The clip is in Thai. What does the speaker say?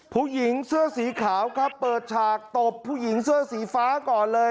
ผู้หญิงเสื้อสีขาวครับเปิดฉากตบผู้หญิงเสื้อสีฟ้าก่อนเลย